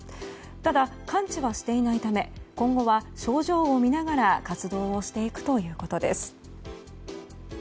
ただ、完治はしていないため今後は症状を見ながら活動をしていくということです。